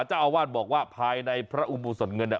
พระเจ้าบ้านบอกว่าภายในพระอุโมสดเงิน